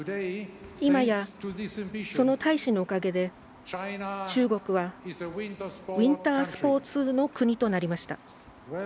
いまや、その大志のおかげで中国はウインタースポーツの国となりました。